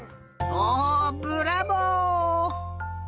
おブラボー！